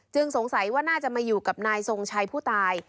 สงสัยว่าน่าจะมาอยู่กับนายทรงชัยผู้ตาย